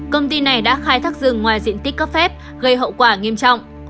công ty này đã khai thác rừng ngoài diện tích cấp phép gây hậu quả nghiêm trọng